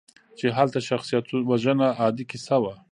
چې هلته شخصیتوژنه عادي کیسه وه.